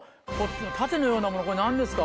盾のようなものこれ何ですか？